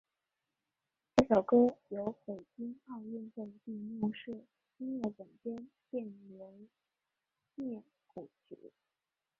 这首歌由北京奥运会闭幕式音乐总监卞留念谱曲。